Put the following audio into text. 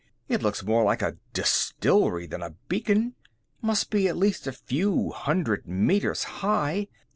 It looks more like a distillery than a beacon must be at least a few hundred meters high.